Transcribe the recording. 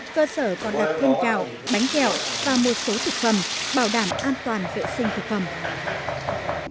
cơ sở còn đặt thêm gạo bánh kẹo và một số thực phẩm bảo đảm an toàn vệ sinh thực phẩm